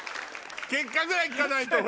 結果ぐらい聞かないと。